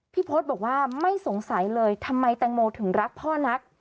พศบอกว่าไม่สงสัยเลยทำไมแตงโมถึงรักพ่อนัก